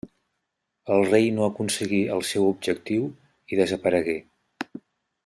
El rei no aconseguí el seu objectiu i desaparegué.